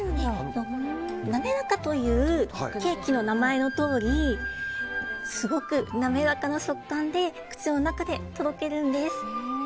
ナメラカというケーキの名前のとおりすごく滑らかな食感で口の中でとろけるんです。